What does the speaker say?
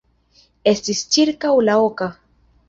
Estis ĉirkaŭ la oka.